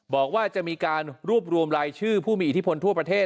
บอกว่าจะมีการรวบรวมรายชื่อผู้มีอิทธิพลทั่วประเทศ